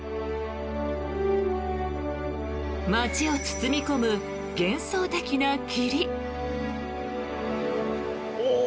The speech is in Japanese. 街を包み込む、幻想的な霧。